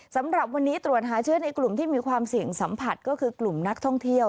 สำหรับวันนี้ตรวจหาเชื้อในกลุ่มที่มีความเสี่ยงสัมผัสก็คือกลุ่มนักท่องเที่ยว